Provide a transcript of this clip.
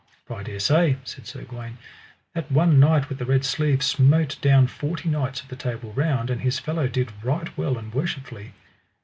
For I dare say, said Sir Gawaine, that one knight with the red sleeve smote down forty knights of the Table Round, and his fellow did right well and worshipfully.